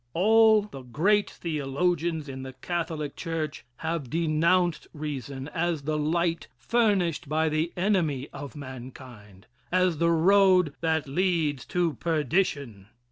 All the great theologians in the Catholic Church have denounced reason as the light furnished by the enemy of mankind as the road that leads to perdition.